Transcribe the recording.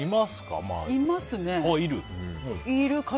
いますか？